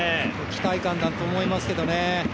期待感だと思いますけどね。